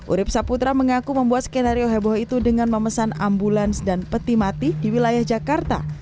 urib saputra mengaku membuat skenario heboh itu dengan memesan ambulans dan peti mati di wilayah jakarta